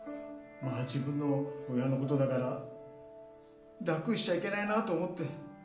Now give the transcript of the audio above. まぁ自分の親のことだから楽しちゃいけないなと思って。